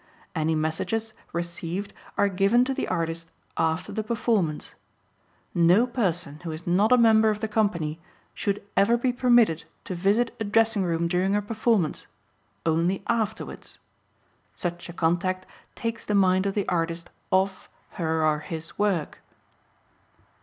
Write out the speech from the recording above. Any messages received are given to the artist after the performance. No person who is not a member of the company should ever be permitted to visit a dressing room during a performance, only afterwards; such a contact takes the mind of the artist off her or his work.